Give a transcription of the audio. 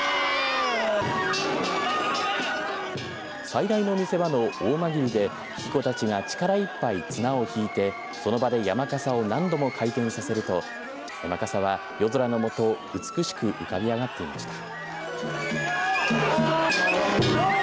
最大の見せ場の大まぎりで引き子たちが力いっぱい綱を引いて、その場で山かさを何度も回転させると山かさは夜空のもと美しく浮かび上がっていました。